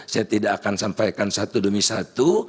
saya tidak akan sampaikan satu demi satu